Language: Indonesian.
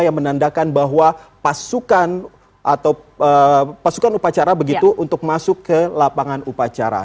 yang menandakan bahwa pasukan atau pasukan upacara begitu untuk masuk ke lapangan upacara